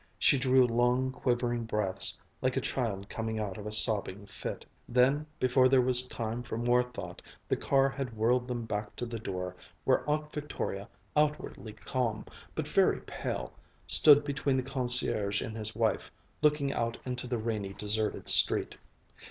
She drew long quivering breaths like a child coming out of a sobbing fit. Then before there was time for more thought, the car had whirled them back to the door, where Aunt Victoria, outwardly calm, but very pale, stood between the concierge and his wife, looking out into the rainy deserted street.